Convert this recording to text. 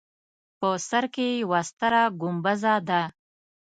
په سر کې یوه ستره ګومبزه ده.